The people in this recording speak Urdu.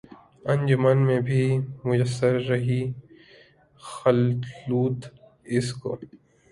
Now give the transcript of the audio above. انجمن میں بھی میسر رہی خلوت اس کو